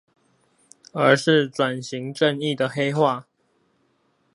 而是轉型正義的黑話